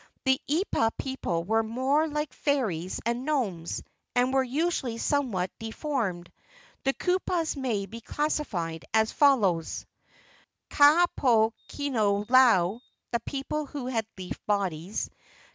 The eepa people were more like fairies and gnomes, and were usually somewhat de¬ formed. The kupuas may be classified as follows: Ka poe kino lau (the people who had leaf bodies).